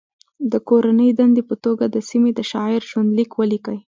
د کورنۍ دندې په توګه د سیمې د شاعر ژوند لیک ولیکئ.